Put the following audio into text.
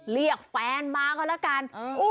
เรียกแฟนมาก็แล้วกัน